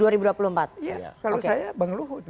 kalau saya bang luhut